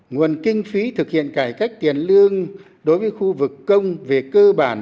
nguồn kinh phí thực hiện cải cách tiền lương đối với khu vực công về cơ bản